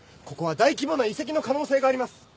ここは大規模な遺跡の可能性があります。